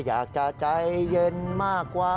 อยากจะใจเย็นมากกว่า